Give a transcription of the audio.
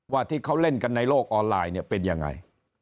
ว่าที่เขาเล่นกันในโลกออนไลน์เนี่ยเป็นยังไง